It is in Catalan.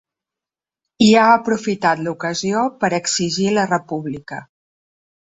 I ha aprofitat l’ocasió per exigir la república.